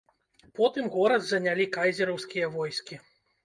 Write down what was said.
Потым горад занялі кайзераўскія войскі.